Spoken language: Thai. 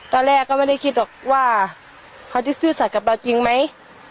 ตอนแรกก็ไม่ได้คิดหรอกว่าเขาจะซื่อสัตว์กับเราจริงไหม